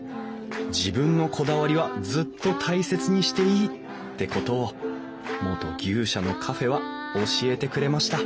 自分のこだわりはずっと大切にしていいってことを元牛舎のカフェは教えてくれました